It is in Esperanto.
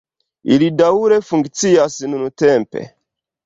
Ili daŭre funkcias nuntempe.